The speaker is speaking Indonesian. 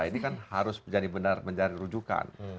ini kan harus menjadi benar mencari rujukan